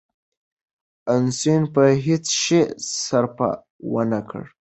اوسنيو په هیڅ شي سرپه ونه کړه.